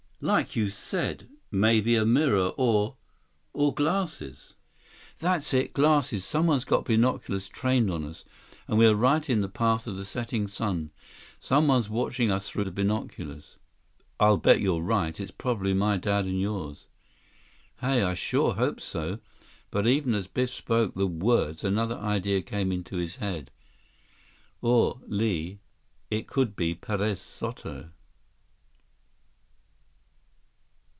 "Like you said, maybe a mirror or—or glasses." 151 "That's it! Glasses. Someone's got binoculars trained on us. And we're right in the path of the setting sun. Someone's watching us through binoculars." "I'll bet you're right. It's probably my dad and yours." "Hey, I sure hope so." But even as Biff spoke the words, another idea came into his head. "Or, Li, it could be Perez Soto."